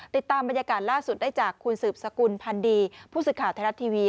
ติดตามบรรยากาศล่าสุดได้จากคุณสืบสกุลพันธ์ดีผู้สื่อข่าวไทยรัฐทีวี